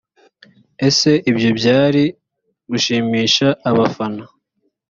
ese ibyo byari gushimisha abafana